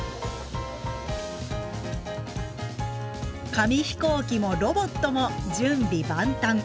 紙飛行機もロボットも準備万端。